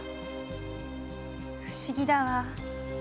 不思議だわ。